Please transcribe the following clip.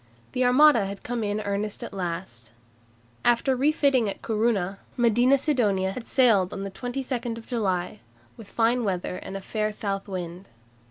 The Armada had come in earnest at last. After refitting at Corunna, Medina Sidonia had sailed on 22 July with fine weather and a fair south wind.